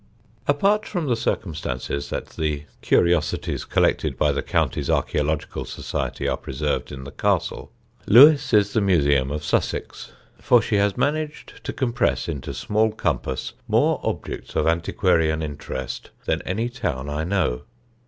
Apart from the circumstance that the curiosities collected by the county's Archæological Society are preserved in the castle, Lewes is the museum of Sussex; for she has managed to compress into small compass more objects of antiquarian interest than any town I know.